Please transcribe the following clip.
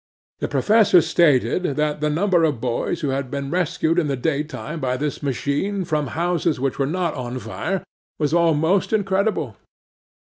The Professor stated that the number of boys who had been rescued in the daytime by this machine from houses which were not on fire, was almost incredible.